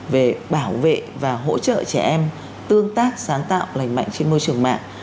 về bảo vệ và hỗ trợ trẻ em tương tác sáng tạo lành mạnh trên môi trường mạng